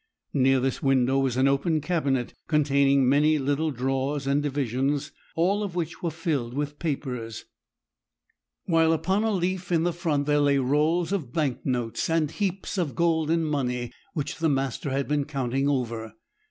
Near this window was an open cabinet, containing many little drawers and divisions, all of which were filled with papers; while upon a leaf in the front there lay rolls of bank notes, and heaps of golden money, which the master had been counting over.